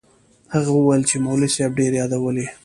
هغه وويل چې مولوي صاحب ډېر يادولې.